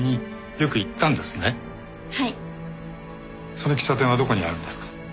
その喫茶店はどこにあるんですか？